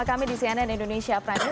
anda kembali bersama kami